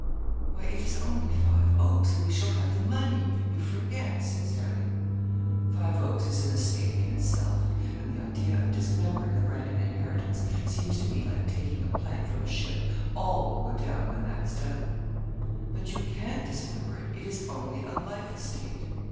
'Why, it is only Five Oaks, and we shall have the money, you forget,' said Stanley. 'Five Oaks is an estate in itself; and the idea of dismembering the Brandon inheritance seems to me like taking a plank from a ship all will go down when that is done.' 'But you can't dismember it; it is only a life estate.'